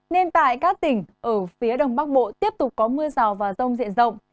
nên tại các tỉnh ở phía đông bắc bộ tiếp tục có mưa rào và rông diện rộng